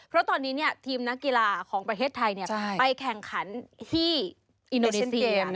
เพราะตอนนี้ทีมนักกีฬาของประเทศไทยไปแข่งขันที่อินโดนีเซีย